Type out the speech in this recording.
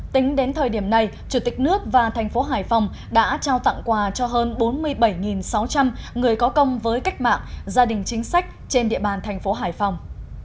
tính đến thời điểm này chủ tịch nước và thành phố hải phòng đã trao tặng quà cho hơn bốn mươi bảy sáu trăm linh người có công với cách mạng gia đình chính sách trên địa bàn thành phố hải phòng